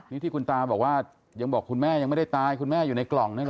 นี่ที่คุณตาบอกว่ายังบอกคุณแม่ยังไม่ได้ตายคุณแม่อยู่ในกล่องด้วยเหรอ